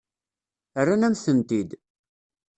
Rran-am-tent-id.